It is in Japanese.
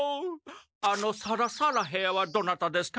あのサラサラヘアはどなたですか？